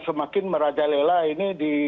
semakin merajalela ini di